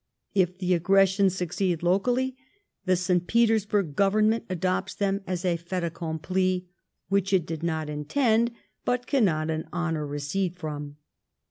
If the aggression sncceed locally, the St. Petersburg Gpyemment adopts them as a fait accompli which it did not intend but cannot in honour recede from.